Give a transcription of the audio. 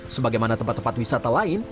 sebagaimana tempat tempat wisata lain